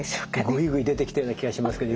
ぐいぐい出てきてるような気がしますけど。